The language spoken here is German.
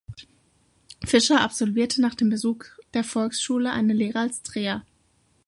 Fischer absolvierte nach dem Besuch der Volksschule eine Lehre als Dreher.